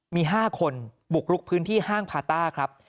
มี๕คนบุกลุกพื้นที่ห้างพาต้าครับ